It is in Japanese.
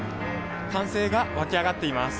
歓声が沸き上がっています。